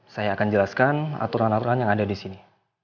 saya akan jelaskan aturan aturan yang ada disini